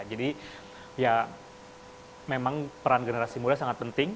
jadi ya memang peran generasi muda sangat penting